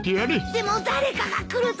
でも誰かが来ると。